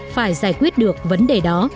phải giải quyết được vấn đề đó